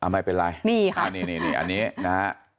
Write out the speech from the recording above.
ไม่เป็นไรอันนี้ค่ะ